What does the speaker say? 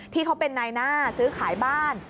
ที่เขาเป็นนายหน้าซื้อขายบ้าน